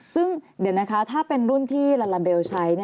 ซึ่งเดี๋ยวนะคะถ้าเป็นรุ่นที่ลาลาเบลใช้